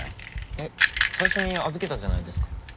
えっ最初に預けたじゃないですか。